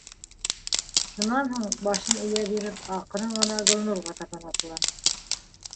Шунан һуң, башын эйә биреп, аҡрын ғына Гөлнурға табан атланы.